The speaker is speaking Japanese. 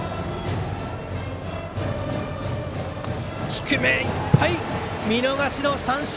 低めいっぱい見逃し三振！